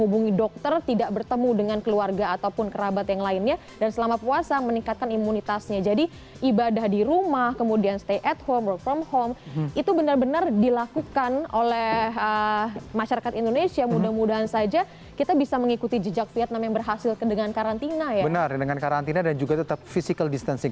benar dengan karantina dan juga tetap physical distancing